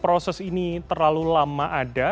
proses ini terlalu lama ada